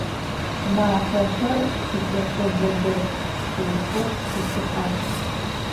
Мафэхэр щыкӏэко дэдэх, чэщхэр щыкӏыхьэх.